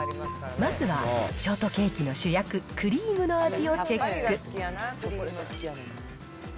まずはショートケーキの主役、クリームの味をチェック。